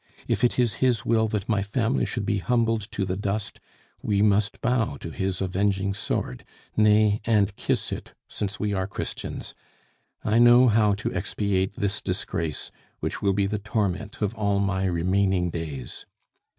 If it is His will that my family should be humbled to the dust, we must bow to His avenging sword, nay, and kiss it, since we are Christians. I know how to expiate this disgrace, which will be the torment of all my remaining days.